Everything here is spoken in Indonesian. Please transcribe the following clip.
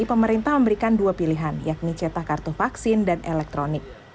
pemerintah memberikan dua pilihan yakni cetak kartu vaksin dan elektronik